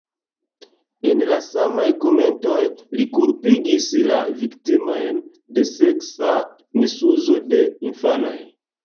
En la samaj komentoj li kulpigis la viktimojn de seksa misuzo de infanoj.